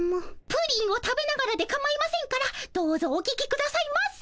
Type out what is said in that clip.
プリンを食べながらでかまいませんからどうぞお聞き下さいませ。